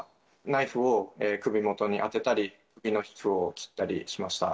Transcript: ナイフを首元に当てたり、首の皮膚を切ったりしました。